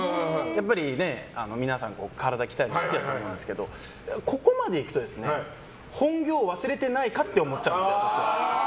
やっぱり、皆さん体鍛えるの好きだと思うんですけど、ここまでいくと本業を忘れていないかって思っちゃうんです。